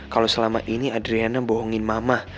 kalau selama ini adriana bohongin mamah